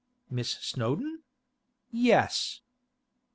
'Miss Snowdon? Yes.